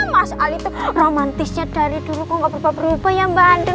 mas ali itu romantisnya dari dulu kok gak berubah berubah ya mbak ando